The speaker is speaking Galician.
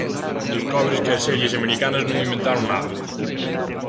Descobres que as series americanas non inventaron nada.